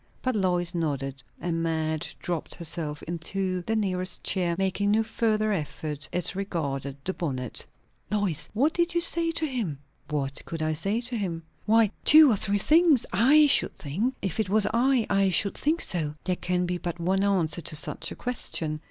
But Lois nodded; and Madge dropped herself into the nearest chair, making no further effort as regarded the bonnet. "Lois! What did you say to him?" "What could I say to him?" "Why, two or three things, I should think. If it was I, I should think so." "There can be but one answer to such a question.